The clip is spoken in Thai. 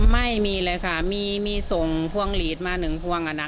ไม่มีเลยค่ะมีส่งพ่วงลีทมา๑พ่วง